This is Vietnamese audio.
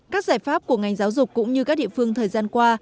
các giải pháp của ngành giáo dục cũng như các địa phương thời gian qua